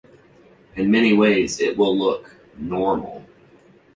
In many ways it will look "normal".